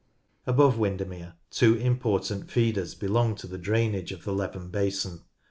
Above Windermere two important feeders belong to the drainage of the Leven basin.